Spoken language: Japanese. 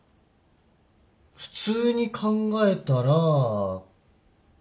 普通に考えたらけ。